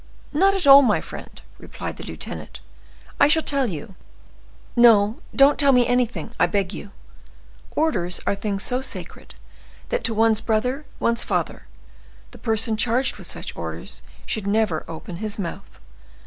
not at all, my friend," replied the lieutenant, "I shall tell you—" "No, don't tell me anything, I beg you; orders are things so sacred, that to one's brother, one's father, the person charged with such orders should never open his mouth.